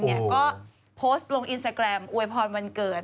ก็โพสต์ลงอินสตาแกรมอวยพรวันเกิด